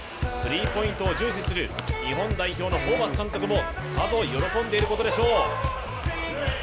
スリーポイントを重視する日本代表のホーバス監督もさぞ喜んでいることでしょう。